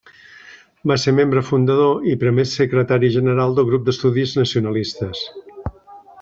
Va ser membre fundador i primer secretari general del Grup d’Estudis Nacionalistes.